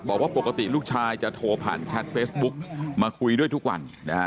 บอกว่าปกติลูกชายจะโทรผ่านแชทเฟซบุ๊กมาคุยด้วยทุกวันนะฮะ